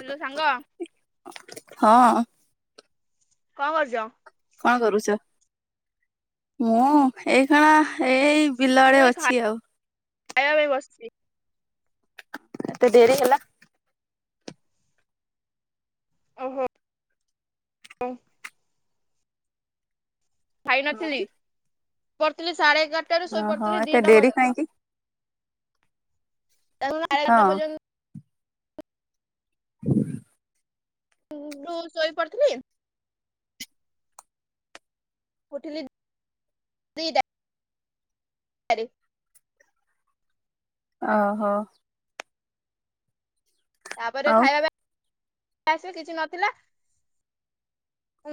Hello ସାଙ୍ଗ। ହଁ। କଣ କରୁଛ? କଣ କରୁଛ? ମୁଁ ଏଇ ଖେଣା ଏଇ ବିଲ ମୁଁ ଆଡେ ଏଇ ଅଛି ଆଉ। ଖାଇବା ପାଇଁ ବସିଛି। ଏତେ ଡେରି ହେଲା? ଓ ହୋ, ହଁ। ଖାଇନଥିଲି ପଢୁଥିଲି ସାଢେ ଏଗାରଟାରୁ ଶୋଇ ଓହୋ ପଡିଥିଲି ଏତେ ଦିଟା ଡେରି ପର୍ଯ୍ୟନ୍ତ। କାହିଁକି? ତାପରେ ସାଢ଼େ ହଁ ଏଗାରଟା ପର୍ଯ୍ୟନ୍ତ [unintelligible] [inaudible] ଶୋଇ ପଡ଼ିଥିଲି। ଉଠିଲି ଦି ଟା ଟାରେ। ଓହୋ। ତାପରେ ଆଉ ଖାଇବା ପାଇଁ ଆସିଲି କିଛି ନଥିଲା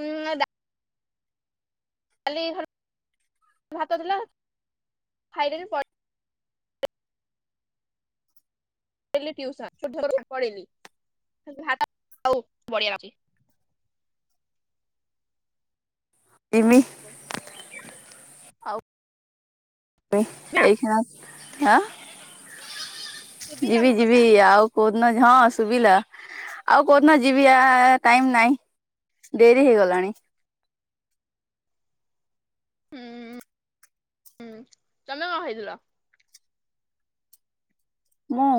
ଉଁ [inaudible] [inaudible] ଭାତ ଥିଲା ଖାଇଦେଲି ପଳେଇଲି। ଯାଇଥିଲି ଟିଉସନ [unintelligible] [unintelligible] [unintelligible] ନା ଏଇ ଖେନା ଆଁ ଶୁଭିଲା ମୋ ଯିବି କଥା? ଯିବି ଆଉ କୋଉଦିନ ହଁ ଶୁଭିଲା, ଆଉ କୋଉଦିନ ଯିବି ଆ ଟାଇମ ନାହିଁ। ଡେରି ହେଇଗଲାଣି। ହୁଁ, ତମେ କଣ ଖାଇଥିଲ? ମୁଁ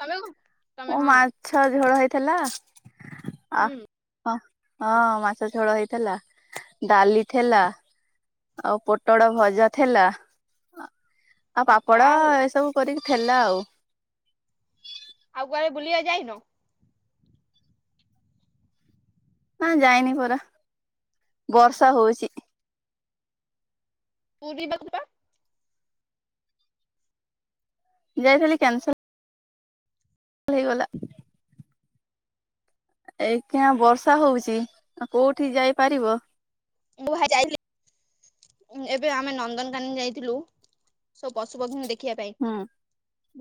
ତମେ କଣ? ତମେ ମୋର ହଁ ମାଛ ଝୋଳ ହେଇଥିଲା ଆ ହୁଁ ହଁ ହଁ ମାଛ ଝୋଳ ହେଇଥିଲା, ଡାଲି ଥେଲା ଆଉ ପୋଟଳ ଭଜା ଥିଲା, ଆ ଆଉ ପାପଡ଼ ଯାହା ହଉ ଏସବୁ କରିକି ଥିଲା ଆଉ। ଆଉ କୁଆଡେ ବୁଲିବାକୁ ଯାଇନୁ? ନା ଯାଇନି ପରା, ବର୍ଷା ହଉଛି। ପୁରି [unintelligible] ଯାଇଥିଲି କ୍ୟାନସେଲ ହେଇଗଲା। ଏଇଖେନା ବର୍ଷା ହଉଛି, ଆଉ କୋଉଠି ଯାଇପାରିବ? ମୁଁ ବା ଯାଇଥିଲି ଏବେ ଆମେ ନନ୍ଦନକାନ ଯାଇଥିଲୁ ସବୁ ପଶୁପକ୍ଷୀଙ୍କୁ ଦେଖ ଦେଖିବା ପାଇଁ ହୁଁ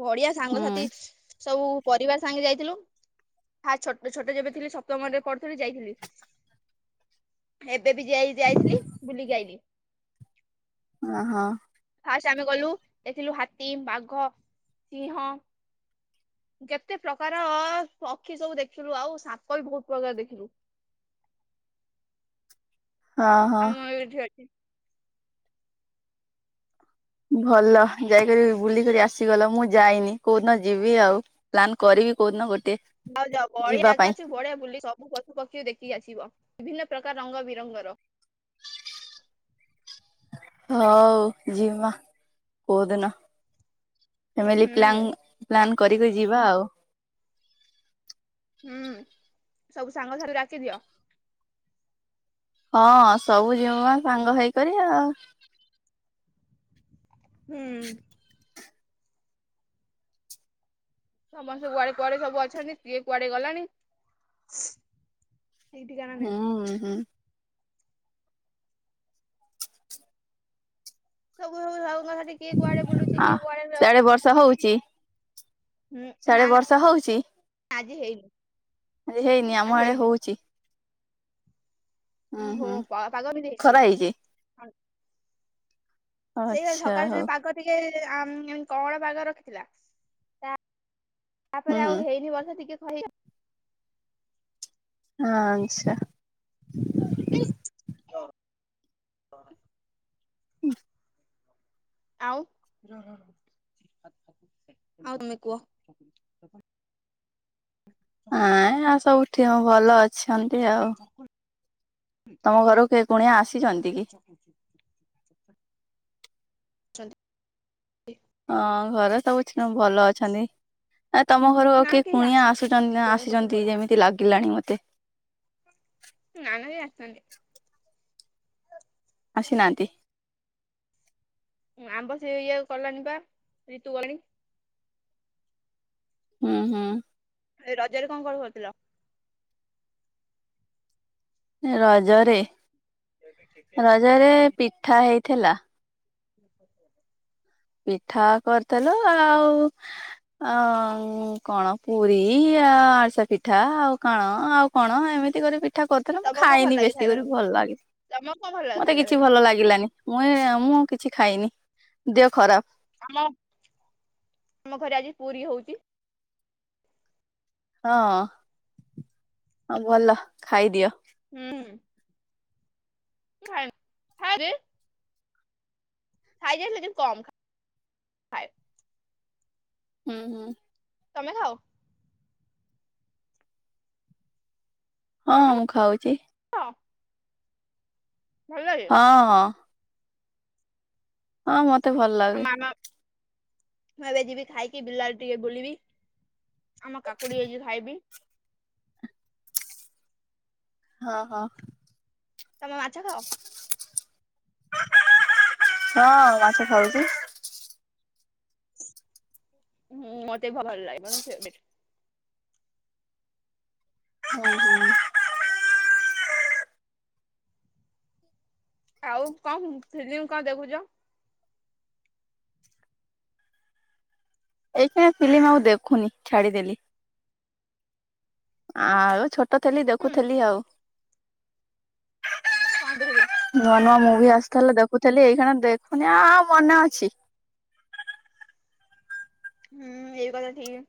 ବଢିଆ ହୁଁ ସାଙ୍ଗସାଥି ସବୁ ପରିବାର ସାଙ୍ଗେ ଯାଇଥିଲୁ। ଫାର୍ଷ୍ଟ ଛୋଟ ଛୋଟ ଯେବେ ଥିଲି ସପ୍ତମରେ ପଢୁଥିଲି ଯାଇଥିଲି। ଏବେ ବି ଯାଇ-ଯାଇଥିଲି ବୁଲିକି ଆଇଲି। ଅ ହଁ। ଫାଷ୍ଟ ଆମେ ଗଲୁ ଦେଖିଲୁ ହାତୀ, ବାଘ, ସିଂହ କେତେ ପ୍ରକାର ପକ୍ଷୀ ସବୁ ଦେଖିଲୁ ଆଉ ସାପ ବି ବହୁତ ପ୍ରକାର ଦେଖିଲୁ। ହଁ ହଁ। ମୁଁ ଏଇଠି ଅଛି। ଭଲ ଯାଇକରି ବୁଲିକରି ଆସିଗଲ, ମୁଁ ଯାଇନି କୋଉଦିନ ଯିବି ଆଉ। ପ୍ଲାନ କରିକି କଉଦିନ ଗୋଟେ। ଯାଓ ଯାଓ ବଢିଆ ଯିବା ଜାଗା ପାଇଁ ଅଛି ବଢିଆ ବୁଲି ସବୁକ ପଶୁ ପକ୍ଷୀ ଦେଖି ଆସିବ, ବିଭିନ୍ନ ପ୍ରକାର ରଙ୍ଗ ବିରଙ୍ଗର। ହଉ ଜିମା କୋଉଦିନ ହୁଁ ଏମିଲିପ୍ନାଙ୍ଗ। ପ୍ଲାନ୍ କରିକି ଯିବା ଆଉ। ହୁଁ ସବୁ ସାଙ୍ଗ [unintelligible] ଡାକିଦିଅ। ହଁ ସବୁ ଯିବ ମା ସାଙ୍ଗ ହେଇକରି ଆଉ। ହୁଁ। ସମସ୍ତେ କୁଆଡେ କୁଆଡେ ସବୁ ଅଛନ୍ତି କିଏ କୁଆଡେ ଗଲାଣି। ଠିକ୍ ଠିକଣା ନାହିଁ। ହୁଁ ହ ସବୁ ସବୁ ସାଙ୍ଗସାଥି ସାଥିକିଏ କୁଆଡେ ବୁଲୁଛି କିଏ କୁଆଡେ ଯାଉଛି। ସହ ହୋଉଛି। ହୁଁ ନା ନା ଆଜି ହେଇନି। ଆଜିହେଇନି ଆଜି ଆମ ଆଡେ ହେଇନି ହଉଛି। ହୁଁ ଓ ହୋ ହୁଁ ପାଗ କେମିତି ହେଇଛି? ସେଇଆ ଆଚ୍ଛା ସକାଳ ଦିନ ହଉ ପାଗ ଟିକେ ଆଃ କଅଣ ପାଗ ରଖିଥିଲା ତା ତାପରେ ହୁଁ ଆଉ ହେଇନି ବର୍ଷା ଟିକେ କହି ହଁ ଆଚ୍ଛା। [unintelligible] [unintelligible] ଆଉ ହଁ ହଁ ଆଉ ତମେ କୁହ। ହଁ ଆ ସବୁଠି ଭଲ ଅଛନ୍ତି ଆଉ। [inaudible] ତମ ଘର କେ କୁଣିଆ ଆସିଛନ୍ତି କି? [inaudible] ହଁ-ଅ-ଅ-ଅ ଘରେ ସବୁଛି ଭଲ ଅଛନ୍ତି। ଆ ତମ ଘରକୁ ନା କିଏ କେହି କୁଣିଆ ଆସିନାହାନ୍ତି ଆସୁଛନ ପୁଣି ପଛ ଆସିଛନ୍ତି ପଡେ ଯେମିତି ଲାଗିଲାଣି ମତେ। ନା ନା ଇଏ ଆସିନାହାନ୍ତି। ଆସି ନାହାନ୍ତି? ଆମ୍ବ ସିଏ ଇଏ କଲାଣି ବା ରିତୁ ଗଲାଣୀ। ହୁଁ ହୁଁ। ଏ ରଜରେ କଣ କଣ କରିଥିଲ? ଏ ରଜରେ ରଜରେ ପିଠା ହେଇଥିଲା। [inaudible] ପିଠା କରିଥିଲା ଆ-ଆ-ଆଉ ଆ-ଆ-ଉଁ କଣ ପୁରୀ, ଆ ଆରିସା ପିଠା ଆଉ କଣ ଆଉ କଣ ଏମିତି କରି ପି ପିଠା କରିଥିଲା ମୁଁ ତମକୁ କଣ ଭଲ ଖାଇନି ଲାଗେ ବେଶୀ ଖାଇବା କରି ପାଇଁ ଭଲ ଲାଗେନି ତମକୁ କଣ ଭଲ ଲାଗେ ମତେ ଖାଇବା କିଛି ପାଇଁ ଭଲ ଲାଗିଲାନି। ମୁଁ ଏ-ଏ ମୁଁ କିଛି ଖାଇନି। ଦେହ ଖରାପ। ଆମ ଆମ ଘରେ ଆଜି ପୁରୀ ହଉଛି। ହଁ-ଅ-ଅ ହଁ ଭଲ ଖାଇଦିଅ। ହୁଁ ମୁଁ ଖାଏନି ଆରେ ଖାଇକି ଆସିଲେ ଯେମିତି କମ ଖା ହୁଁ ହୁଁ। ତମେ ଖଅ? ହଁ ମୁଁ ଖାଉଛି। ହଁ। ଭଲ ହେ ହଁ ହଁ। ହଁ ମତେ ଭଲ ଆଉ ଲାଗେ। ମାମା ମୁଁ ଏବେ ଯିବି ଖାଇକି ବିଲ ଆଡେ ଟିକେ ବୁଲିବି। ଆମ କାକୁଡି ହେଇଛି ଖାଇବି। ହଁ ହଁ। ତମେ ମାଛ ଖାଅ? ହଁ ମାଛ ଖାଉଛି। ହୁଁ ମତେ ବି ଭଲ୍ ଲାଗେ ମୋର୍ ଫେବ୍ରେଟ୍। [unintelligible] ଆଉ କଣ ଫିଲ୍ମ୍ କଣ ଦେଖୁଚ? ଏଇଥି ପାଇଁ ଫିଲ୍ମ୍ ଆଉ ଦେଖୁନି ଛାଡ଼ିଦେଲି। ଆ-ଆଉ ଛୋଟ ଥିଲି ଦେଖୁ ହୁଁ ଥିଲି ଆଉ। କଣ ଦେଖୁଥିଲ? ନୂଆ ନୂଆ ମୁଭି ଆସୁଥେଲା ଦେଖୁଥେଲି ଏଇଖେନା ଦେଖୁନି ଆ-ଆଉ ମନେ ଅଛି। ହୁଁ-ଉ-ଉ ଏଇ କଥା ଠିକ୍।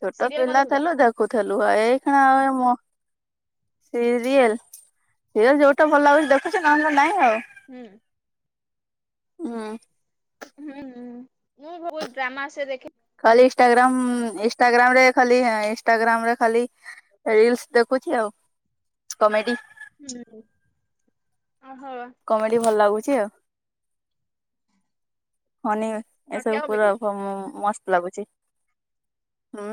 ଛୋଟ ପିଲା ଥେଲୁ ଦେଖୁ ଥେଲୁ ଆ ଏଇଖେନା-ଆ-ଆ ଏ ମନ ସିରିଏଲ୍ ସିରିଏଲ୍ ଯୋଉଟା ଭଲ୍ ଲାଗୁଛି ଦେଖୁଛି ନହେଲେ ନାହିଁ ଆଉ। ହୁଁ। ହୁଁ। ହୁଁଁ ହୁଁ ମୁଁ ବହୁତ୍ ଡ୍ରାମା ସେ ଦେଖେ। ଖାଲି ଇନଷ୍ଟାଗ୍ରାମ୍-ଅ-ଅ ଇନଷ୍ଟାଗ୍ରାମ୍ ରେ ଖାଲି ଏ ଇନଷ୍ଟାଗ୍ରାମ୍ ରେ ଖାଲି ରିଲ୍ସ ଦେଖୁଛି ଆଉ କମେଡି। ହୁଁ ଆଃ ହଁ। କମେଡି ଭଲ୍ ଲାଗୁଛି ଆଉ ଅନେଇ ନଟିଆ ଏସବୁ ପୁରା କମିଟି ହଁ ମମ୍ ମସ୍ତ୍ ଲାଗୁଚି ହୁଁ।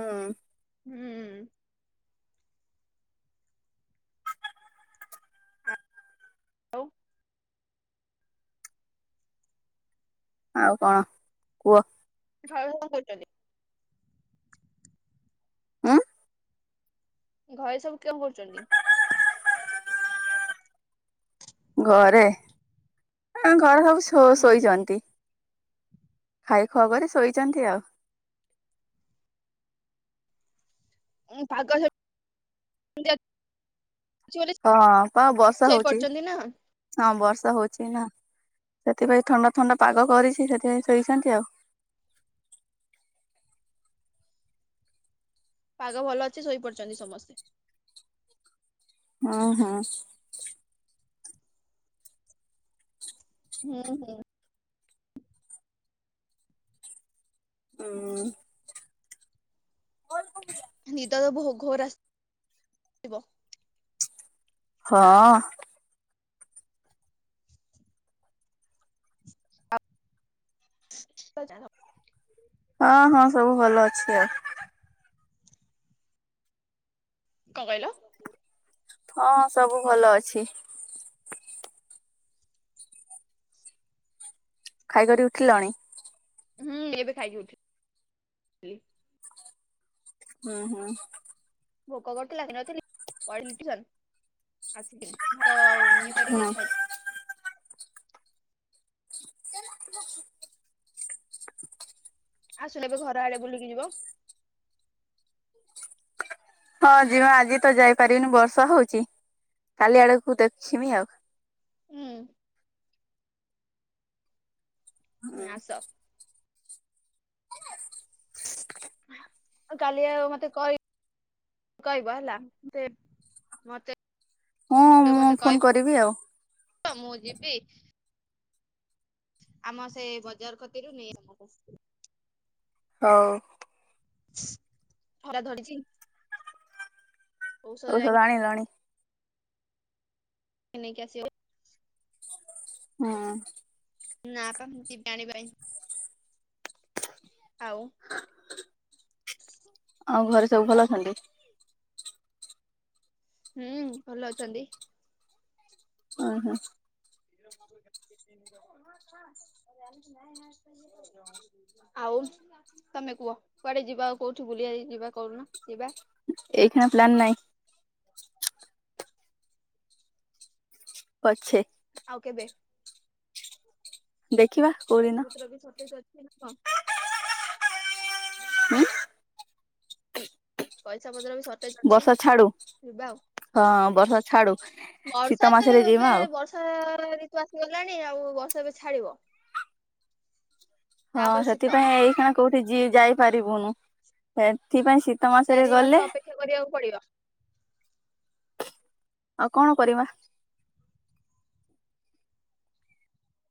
ହୁଁ। ଆଉ ଆଉ କଣ କୁହ? [inaudible] ଆଁ ଘରେ ସବୁ କେଣ କରୁଚନ୍ତି? [unintelligible] ଘରେ ଆଁ ଘରେ ସବୁ ଶୋ ହୁଁ ଶୋଇଛନ୍ତି। ଖାଇ ଖୁଆ କରି ଶୋଇଚନ୍ତି ଆଉ। ହୁଁ ପାଗ ସେମିତି ଅଛି। ବୋଲି ହଁ ପା ବର୍ଷା ହଉଚି। ଶୋଇପଡିଛନ୍ତି ନା ହଁ ବର୍ଷା ହଉଛି ନା ସେଥିପାଇଁ ଥଣ୍ଡା ଥଣ୍ଡା ପାଗ କରିଛି ସେଥିପାଇଁ ଶୋଇଛନ୍ତି ଆଉ ପାଗ ଭଲ ଅଛି ଶୋଇ ପଡିଛନ୍ତି ସମସ୍ତେ। ହଁ ହଁ। ହୁଁ ହୁଁ। ଉଁ [inaudible] ନିଦ ତ ବୋହ୍ ଘୋର୍ ଆସିଥିବ। ହଁ। ଯିବା ଯାହା ହଉ ହଁ ହଁ ସବୁ ଭଲ ଅଛି ଆଉ କଣ କହିଲ? ହଁ ସବୁ ଭଲ ଅଛି। ଖାଇ କରି ଉଠିଲଣି? ହୁଁ ଏବେ ଖାଇକି ଉଠିଲି। ହୁଁ ହୁଁ। ହଁ [inaudible] [unintelligible] ଆସିଲେ ବି ଘର ଆଡେ ବୁଲିକି ଯିବ। ହଁ ଯିମା ଆଜି ତ ଯାଇପାରିବିନି ବର୍ଷା ହଉଛି କାଲି ଆଡକୁ ଦେଖିମି ଆଉ ହୁଁ। ହୁଁ ଆସ। ଆଉ କାଲି ଆଉ ମତେ କହି କଇବ ହେଲା ସେ ମତେ ହଁ ମୁଁ ମତେ ଫୋନ କରିବି ଆଉ କଇବ ମୁଁ ଯିବି ଆମ ସେ ବଜାର କତିରୁ ନେଇ ଆମକୁ ଅ ଖରା ଧରିଛି। ଔଷଧ ଆଣିଲଣି। ଏ ନେଇକି ଆସିବେ। ହଁ। ନା ପା ଯିବି ଆଣିବା ପାଇଁ। ଆଉ ଆଉ ଘରେ ସବୁ ଭଲ ଅଛନ୍ତି? ହୁଁ ଭଲ ଅଛନ୍ତି। ଅହ। ନାଇଁ ଆଉ ତମେ କୁହ କୁଆଡେ ଯିବା ଆଉ କୋଉଠି ବୁଲିବା ଯିବା କହୁନ ଯିବା? ଏ ଖିଣା ପ୍ଲାନ ନାଇଁ। ପଛେ। ଆଉ କେବେ। ଦେଖିବା। କୋଉଦିନ ପଇସା ପତ୍ର ବି ସଟଜେ ଅଛି ନା କଣ। ହୁଁ। ପଇସା ପତ୍ର ବି ସ ସଟେଜ୍ ଅଛି ବର୍ଷା ଛାଡୁ। ଯିବା ଆଉ ହଁ ବର୍ଷା ଛାଡୁ ଶୀତ ବର୍ଷା ତ ମାସରେ ଯିବା ଆଉ ଏବେବର୍ଷା ବର୍ଷା ଋତୁ ଆସିଗଲାଣି ଆଉ ବର୍ଷା ଏବେ ଛାଡିବ। ହଁ ତାପରେ ଶୀତ ସେଥିପାଇଁ ଏଇ ଖେଣା କୋଉଠି ଯି ଯାଇପାରିବୁନୁ ସେଥିପାଇଁ ସି ଚାରି ମାସ ଅପେକ୍ଷା କରିବାକୁ ପଡିବ। ଆଉ କଣ କରିବା।